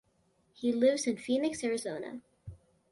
He lives in Phoenix, Arizona.